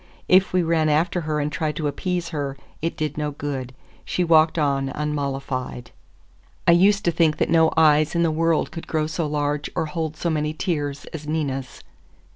If we ran after her and tried to appease her, it did no good. She walked on unmollified. I used to think that no eyes in the world could grow so large or hold so many tears as Nina's.